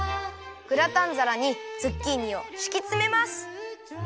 グラタンざらにズッキーニをしきつめます。